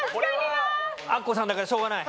アッコさんだからしょうがない。